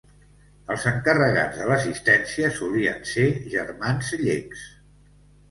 Els encarregats de l'assistència solien ser germans llecs.